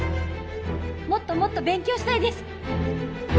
もっともっと勉強したいです！